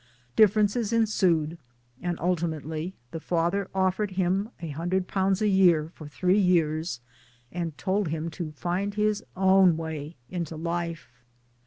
Differences ensued, and ultimately the father offered him 100 a year for three years, and told him to find his own way into life.